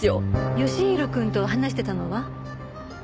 吉宏くんと話してたのは？